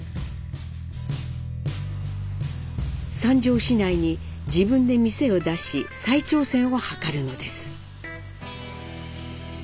三条市内に自分で店を出し再挑戦を図るのです。